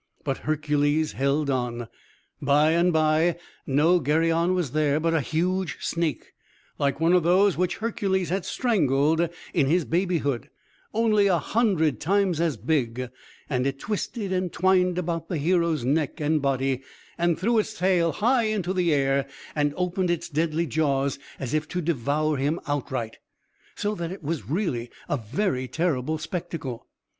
But Hercules held on. By and by, no Geryon was there, but a huge snake, like one of those which Hercules had strangled in his babyhood, only a hundred times as big; and it twisted and twined about the hero's neck and body, and threw its tail high into the air, and opened its deadly jaws as if to devour him outright; so that it was really a very terrible spectacle!